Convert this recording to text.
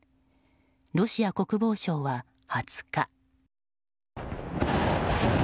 ロシア国防省は２０日。